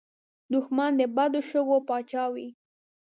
دښمن د بد شګو پاچا وي